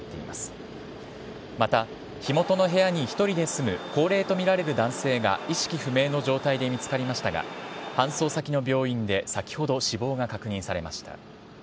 また、火元の部屋に１人で住む高齢とみられる男性が意識不明の状態で見つかりましたが搬送先の病院で先ほど死亡が確認されました。